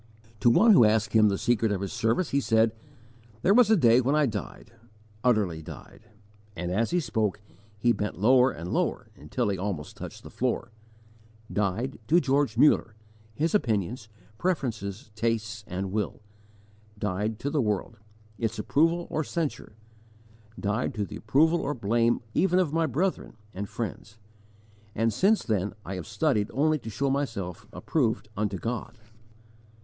* Coloss. 1: 24. To one who asked him the secret of his service he said: "There was a day when I died, utterly died;" and, as he spoke, he bent lower and lower until he almost touched the floor "died to George Muller, his opinions, preferences, tastes and will died to the world, its approval or censure died to the approval or blame even of my brethren and friends and since then I have studied only to show myself approved unto God."